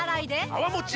泡もち